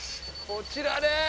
こちらです！